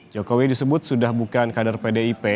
jokowi disebut sudah bukan kader pdip